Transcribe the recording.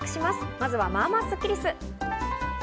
まずは、まあまあスッキりす。